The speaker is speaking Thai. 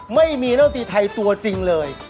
ไม่มีดนตรีไทยตัวจริงเลย